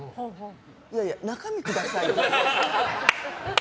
いやいや、中身くださいって。